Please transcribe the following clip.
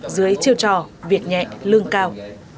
dưới chiêu trò việc nhẹ lương cao